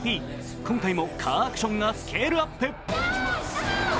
今回も、カーアクションがスケールアップ。